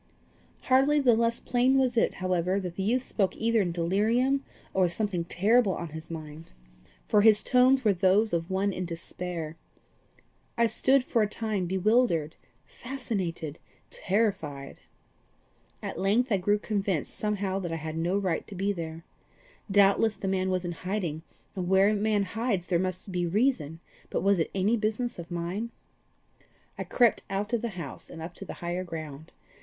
Hardly the less plain was it, however, that the youth spoke either in delirium or with something terrible on his mind, for his tones were those of one in despair. I stood for a time bewildered, fascinated, terrified. At length I grew convinced somehow that I had no right to be there. Doubtless the man was in hiding, and where a man hides there must he reason, but was it any business of mine? I crept out of the house, and up to the higher ground.